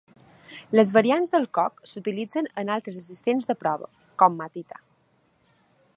Les variants del CoC s'utilitzen en altres assistents de prova, com Matita.